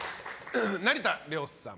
成田凌さん